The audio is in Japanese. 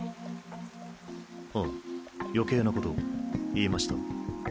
あ余計な事言いました？